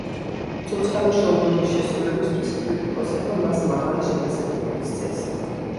ცოცხალი შოუების შესრულებისთვის კრიტიკოსებმა მას მაღალი შეფასებები მისცეს.